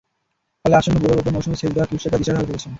ফলে আসন্ন বোরো রোপণ মৌসুমে সেচ দেওয়া নিয়ে কৃষকেরা দিশেহারা হয়ে পড়েছেন।